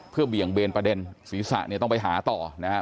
เพื่อเบี่ยงเบนประเด็นศีรษะเนี่ยต้องไปหาต่อนะครับ